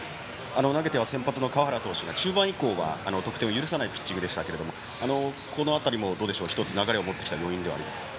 投げては先発の川原投手が中盤以降得点を許さないピッチングでしたがこの辺りも１つ要因を持ってきたと。